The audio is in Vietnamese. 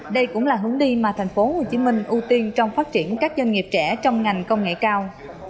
đây cũng là hướng đi mà thành phố hồ chí minh ưu tiên trong phát triển các doanh nghiệp trẻ trong ngành công nghệ cao